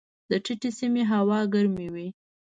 د ټیټې سیمې هوا ګرمې وي.